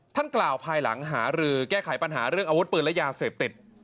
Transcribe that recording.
ท่านกล่าวภายหลังหารือแก้ไขปัญหาเรื่องอาวุธปืนและยาเสพติด